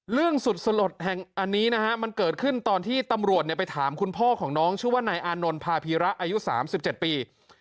สุดสลดแห่งอันนี้นะฮะมันเกิดขึ้นตอนที่ตำรวจไปถามคุณพ่อของน้องชื่อว่านายอานนท์พาพีระอายุ๓๗ปี